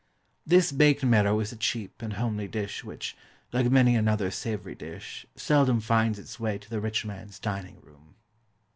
This BAKED MARROW is a cheap and homely dish which, like many another savoury dish, seldom finds its way to the rich man's dining room.